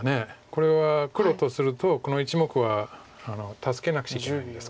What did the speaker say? これは黒とするとこの１目は助けなくちゃいけないんですけど。